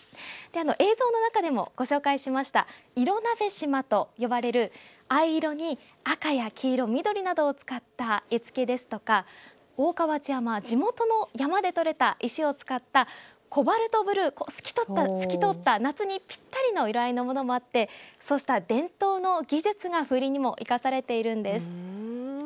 映像の中でもご紹介しました色鍋島と呼ばれる藍色に赤や黄色、緑などを使った絵付けですとか大川内山地元の山で採れた石を使ったコバルトブルー、透き通った夏にぴったりの色合いのものもあってそうした伝統の技術が風鈴にも生かされているんです。